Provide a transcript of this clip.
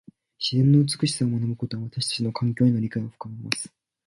自然の美しさを学ぶことは、私たちの環境への理解を深めます。